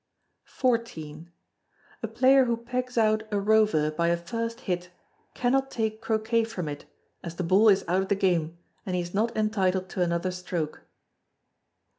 xiv. A player who pegs out a rover by a first hit cannot take Croquet from it, as the ball is out of the game, and he is not entitled to another stroke.